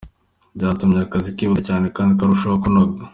Byatumye akazi kihuta cyane kandi karushaho kunoga.